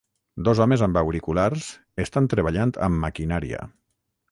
Dos homes amb auriculars estan treballant amb maquinària.